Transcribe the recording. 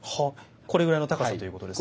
これぐらいの高さということですね。